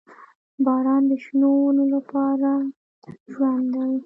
• باران د شنو ونو لپاره ژوند دی.